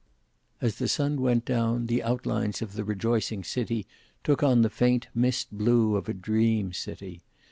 As the sun went down, the outlines of the rejoicing city took on the faint mist blue of a dream city.